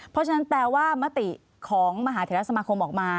เพราะฉะนั้นแปลว่ามติของมหาเทราสมาคมออกมา